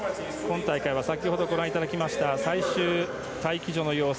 今大会は先ほどご覧いただきました最終待機所の様子。